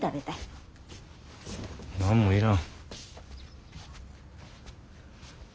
何も要らん。